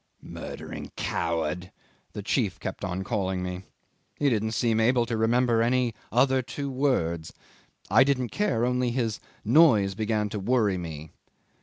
'Murdering coward!' the chief kept on calling me. He didn't seem able to remember any other two words. I didn't care, only his noise began to worry me.